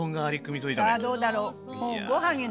さあどうだろう。